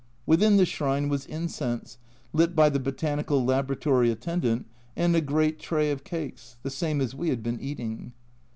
Within the shrine was incense, lit by the Botanical Laboratory attendant, and a great tray of cakes, the same as we had been eating.